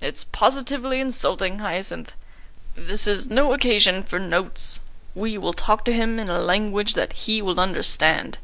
"It's positively insulting, Hyacinth. This is no occasion for Notes. We will talk to him in a language that he will understand."